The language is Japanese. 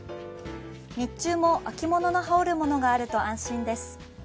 日中も秋物の羽織るものがあると安心です。